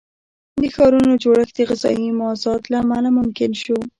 د ښارونو جوړښت د غذایي مازاد له امله ممکن شو.